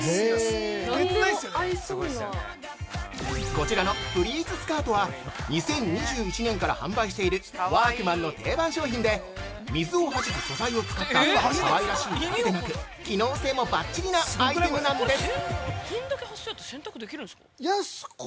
◆こちらのプリーツスカートは２０２１年から販売しているワークマンの定番商品で、水をはじく素材を使った、かわいらしいだけでなく、機能性もばっちりなアイテムなんです。